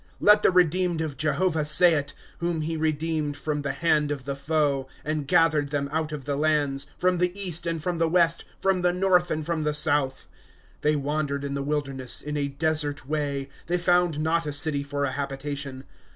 ^ Let the redeemed of Jehovah say it, Whom he redeemed from the hand of the foe ;' And gathered them out of the lands, From the east and from the west, from the north and from the south. * They wandered in the wilderness, in a desert way ; They found not a city for a habitation.